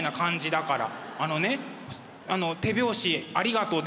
あのねあの手拍子ありがとう。